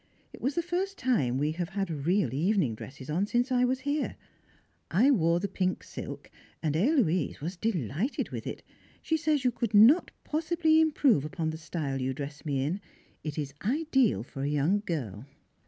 It was the first time we have had real evening dresses on since I have been here. I wore the pink silk, and Héloise was delighted with it, she says you could not possibly improve upon the style you dress me in it is ideal for a young girl.